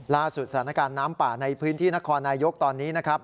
ล่าสุดสถานการณ์น้ำป่าในพื้นที่นครนายกตอนนี้นะครับ